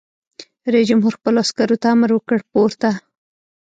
رئیس جمهور خپلو عسکرو ته امر وکړ؛ پورته!